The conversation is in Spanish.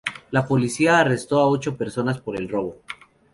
La policía arrestó a ocho personas por el robo.